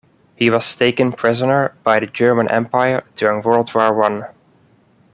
He was taken prisoner by the German Empire during World War One.